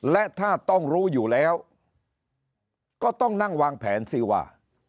และถ้าต้องรู้อยู่แล้วก็ต้องนั่งวางแผนสิว่า